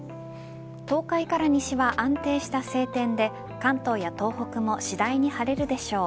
東海から西は安定した晴天で関東や東北も次第に晴れるでしょう。